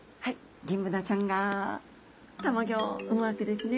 ギンブナちゃんがたまギョを産むわけですね。